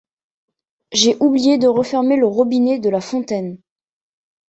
J'ai oublié de refermer le robinet de la fontaine.